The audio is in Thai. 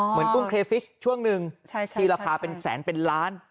เหมือนกุ้งเคลฟิชช่วงหนึ่งใช่ใช่ใช่ที่ราคาเป็นแสนเป็นล้าน